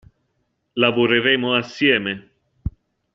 Lavoreremo assieme.